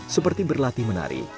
seperti berlatih menari